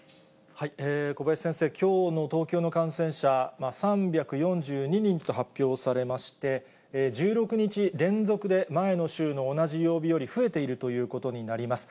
小林先生、きょうの東京の感染者３４２人と発表されまして、１６日連続で前の週の同じ曜日より増えているということになります。